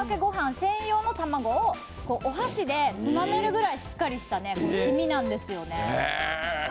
専用の卵を、お箸でつまめるくらいしっかりした黄身なんですよね。